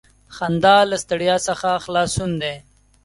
• خندا له ستړیا څخه خلاصون دی.